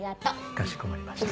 かしこまりました。